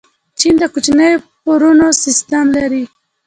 چین د کوچنیو پورونو سیسټم لري.